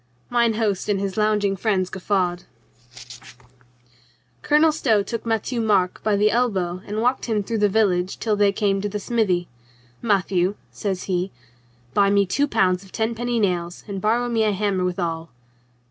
Mine host and his lounging friends guffawed. 22 COLONEL GREATHEART Colonel Stow took Matthieu Marc by the elbow and walked him through the village till they came to the smithy. "Matthieu," says he, "buy me two pounds of tenpenny nails and borrow me a hammer withal."